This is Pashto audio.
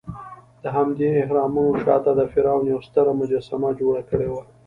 دهمدې اهرامونو شاته د فرعون یوه ستره مجسمه جوړه کړې وه.